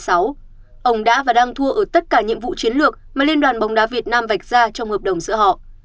ông đã và đang thua ở tất cả nhiệm vụ chiến lược mà liên đoàn bóng đá việt nam vạch ra trong hợp đồng giữa họ